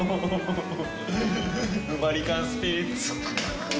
ウマリカンスピリッツ！